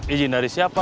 izin dari siapa